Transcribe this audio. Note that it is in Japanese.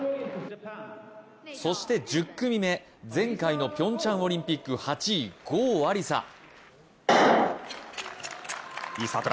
そして１０組目、前回のピョンチャンオリンピック８位、郷亜里砂。